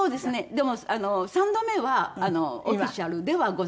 でも３度目はオフィシャルではございません。